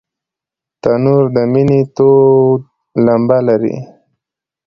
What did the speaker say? تنور د مینې تود لمبه لري